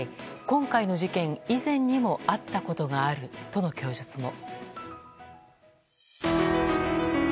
今回の事件以前にも会ったことがあるとの供述も。